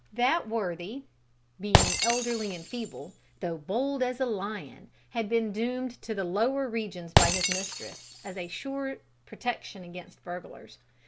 That worthy, being elderly and feeble, though bold as a lion, had been doomed to the lower regions by his mistress, as a sure protection against burglars.